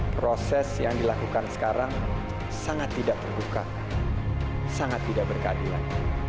proses yang dilakukan sekarang sangat tidak terbuka sangat tidak berkeadilan